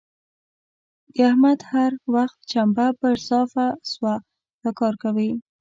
د احمد که هر وخت چمبه پر صافه سوه؛ دا کار کوي.